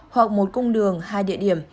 hoặc một cung đường hai địa điểm